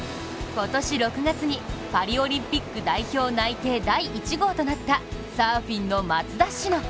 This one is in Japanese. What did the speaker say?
今年６月にパリオリンピック代表内定第１号となったサーフィンの松田詩野。